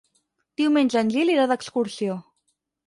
Diumenge en Gil irà d'excursió.